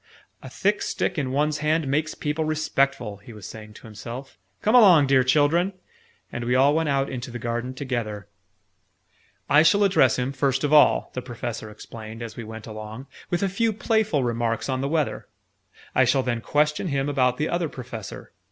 "A thick stick in one's hand makes people respectful," he was saying to himself. "Come along, dear children!" And we all went out into the garden together. "I shall address him, first of all," the Professor explained as we went along, "with a few playful remarks on the weather. I shall then question him about the Other Professor.